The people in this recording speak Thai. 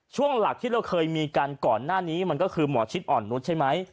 ช่วงหลักที่เราเคยมีกันก่อนหน้านี้มันก็คือหมอชิดอ่อนนุษย์ใช่ไหม